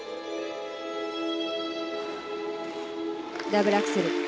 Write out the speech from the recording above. ダブルアクセル。